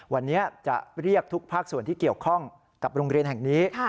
วันนี้จะเรียกทุกภาคส่วนที่เกี่ยวข้องกับโรงเรียนแห่งนี้